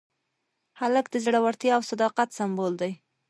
هلک د زړورتیا او صداقت سمبول دی.